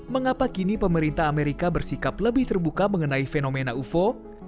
mengapa kini pemerintah amerika bersikap lebih terbuka mengenai fenomena ufo